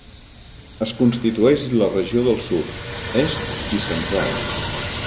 Es constitueix la regió del sud, est i central.